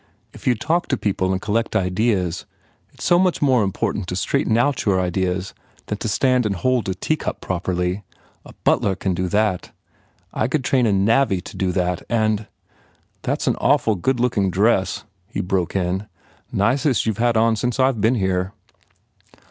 If you d talk to people and collect ideas. ... It s so much more important to straighten out your ideas than to stand and hold a teacup properly. A butler can do that. I could train a navvy to do that. And " "That s an awful good looking dress," he broke in, "Nicest you ve had on since I ve been here."